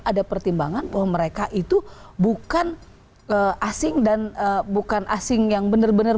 ada pertimbangan bahwa mereka itu bukan asing dan bukan asing yang benar benar